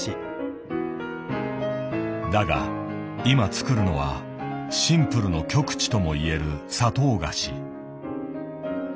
だが今作るのはシンプルの極致ともいえる砂糖菓子。